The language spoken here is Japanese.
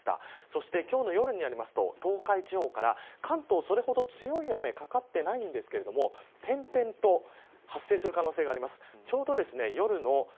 そして、今日の夜になりますと東海地方から関東それほど強い雨雲かかっていないんですが点々と発生する可能性があります。